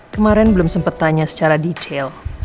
kemaren belum sempet tanya secara detail